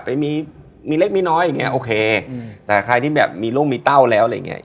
ไปมีมีเล็กมีน้อยอย่างเงี้โอเคอืมแต่ใครที่แบบมีโรคมีเต้าแล้วอะไรอย่างเงี้